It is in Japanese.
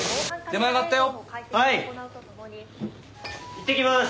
いってきます！